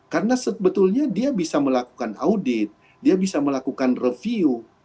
karena sebetulnya dia bisa melakukan audit dia bisa melakukan review